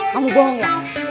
kamu bohong ya